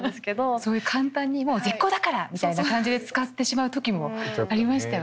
そういう簡単に「もう絶交だから！」みたいな感じで使ってしまう時もありましたよね。